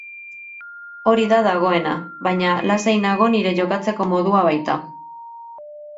Hori da dagoena, baina lasai nago nire jokatzeko modua baita.